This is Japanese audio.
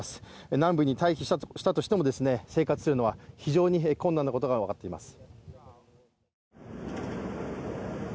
南部に退避したとしても生活するのは非常に困難なことが分かっています。